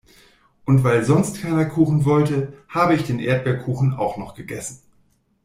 Und weil sonst keiner Kuchen wollte, habe ich den Erdbeerkuchen auch noch gegessen.